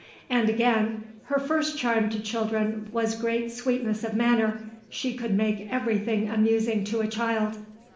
'" And again, "Her first charm to children was great sweetness of manner ... she could make everything amusing to a child."